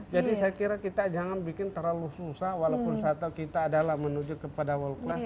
jadi saya kira kita jangan bikin terlalu susah walaupun saat itu kita adalah menuju ke world class